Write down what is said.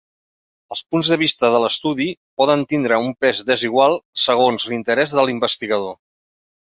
Els punts de vista de l'estudi poden tindre un pes desigual segons l'interés de l'investigador.